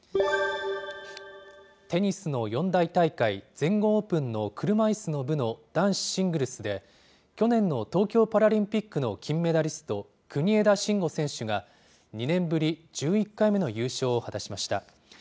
テニスの四大大会、全豪オープンの車いすの部の男子シングルスで、去年の東京パラリンピックの金メダリスト、国枝慎吾選手が、２年ぶり１１回目の優勝を果たしました。